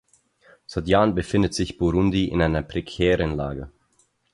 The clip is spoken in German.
Seit Jahren befindet sich Burundi in einer prekären Lage.